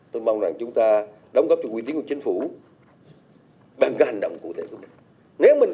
tôi mong rằng chúng ta đóng góp cho quy tín của chính phủ bằng cái hành động cụ thể của mình